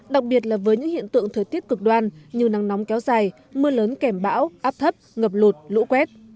đặc biệt là với những hiện tượng thời tiết cực đoan như nắng nóng kéo dài mưa lớn kèm bão áp thấp ngập lụt lũ quét